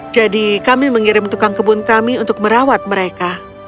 jadi kami mengirim tukang kebun kami untuk merawat mereka